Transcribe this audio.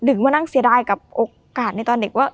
มานั่งเสียดายกับโอกาสในตอนเด็กว่า